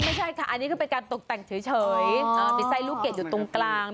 ไม่ใช่ค่ะอันนี้คือเป็นการตกแต่งเฉยติดไส้ลูกเกดอยู่ตรงกลาง